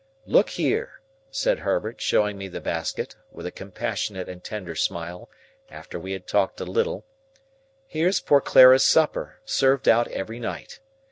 "Look here," said Herbert, showing me the basket, with a compassionate and tender smile, after we had talked a little; "here's poor Clara's supper, served out every night.